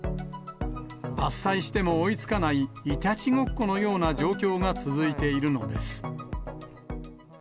伐採しても追いつかないいたちごっこのような状況が続いているのです。